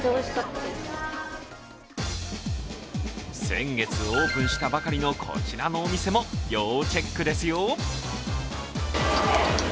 先月オープンしたばかりのこちらのお店も要チェックですよ。